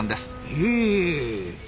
へえ。